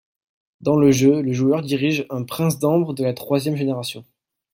Dans le jeu, le joueur dirige un prince d'Ambre de la troisième génération.